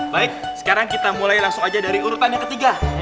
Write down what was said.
baik sekarang kita mulai langsung aja dari urutan yang ketiga